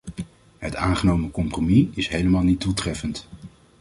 Het aangenomen compromis is helemaal niet doeltreffend.